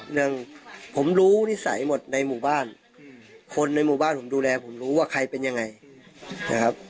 หนึ่งผมรู้นิสัยหมดในหมู่บ้านคนในหมู่บ้านผมดูแลผมรู้ว่าใครเป็นยังไงนะครับ